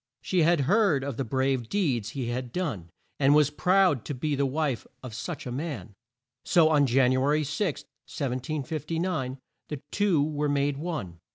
She had heard of the brave deeds he had done, and was proud to be the wife of such a man, so on Jan u a ry 6, 1759, the two were made one.